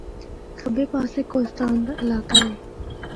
کَھبے پاسے کوہستان دا علاقہ اے۔